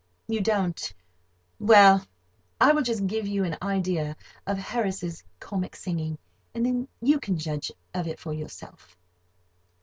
You don't—well, I will just give you an idea of Harris's comic singing, and then you can judge of it for yourself.